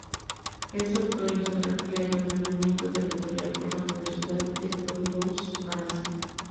Es doctor en Geografía y Ordenamiento Territorial por la Universidad de Toulouse, Francia.